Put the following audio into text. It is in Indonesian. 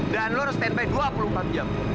dan lu harus standby dua puluh empat jam